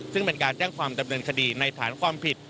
ซึ่งเป็นการแจ้งความดำเนินคดีในฐานความผิด